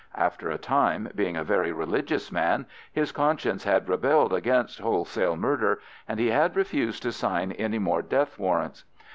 After a time, being a very religious man, his conscience had rebelled against wholesale murder, and he had refused to sign any more death warrants.